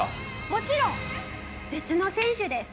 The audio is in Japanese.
もちろん別の選手です。